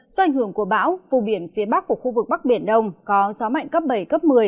do ảnh hưởng của bão vùng biển phía bắc của khu vực bắc biển đông có gió mạnh cấp bảy cấp một mươi